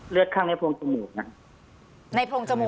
เลือดข้างในโพงจมูกนะ